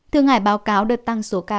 thượng hải báo cáo đợt tăng số ca